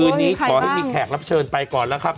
นี้ขอให้มีแขกรับเชิญไปก่อนแล้วครับ